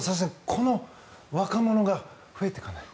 この若者が増えていかない。